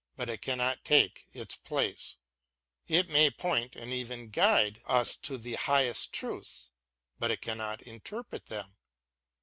BROWNING AND MONTAIGNE 225 place ; it may point, and even guide, us to the higher truths, but it cannot interpret them.